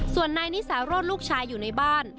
ส่วนนายนิสารสลูกชายอยู่ในบ้าน